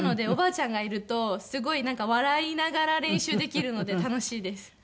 おばあちゃんがいるとすごい笑いながら練習できるので楽しいです。